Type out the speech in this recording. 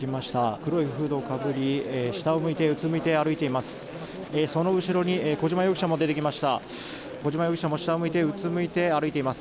黒いフードをかぶり下を向いてうつむいて歩いています。